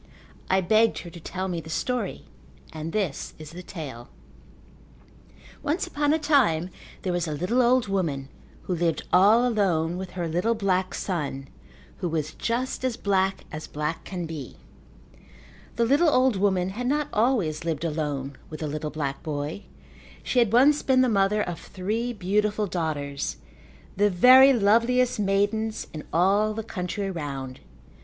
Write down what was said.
I begged her to tell me the story and this is the tale: Once upon a time there was a little old woman who lived all alone with her little black son who was just as black as black can be. The little old woman had not always lived alone with the little black boy. She had once been the mother of three beautiful daughters, the very loveliest maidens in all the country round.